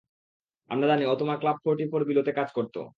আমরা জানি, ও তোমার ক্লাব ফোর্টি ফোর বিলোতে কাজ করত।